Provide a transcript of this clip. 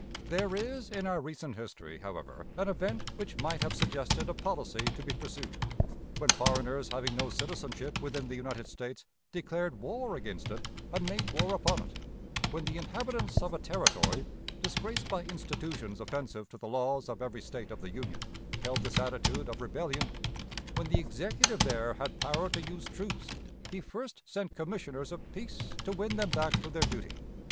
There is in our recent history, however, an event which might have suggested a policy to be pursued. When foreigners having no citizenship within the United States declared war against it and made war upon it; when the inhabitants of a Territory, disgraced by institutions offensive to the laws of every State of the Union, held this attitude of rebellion; when the Executive there had power to use troops, he first sent commissioners of peace to win them back to their duty.